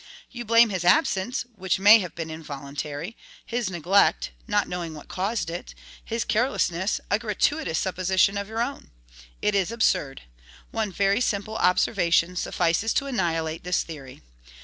You blame his absence, which may have been involuntary; his neglect, not knowing what caused it; his carelessness, a gratuitous supposition of your own! It is absurd. One very simple observation suffices to annihilate this theory.